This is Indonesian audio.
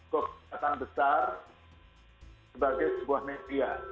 kekuatan besar sebagai sebuah media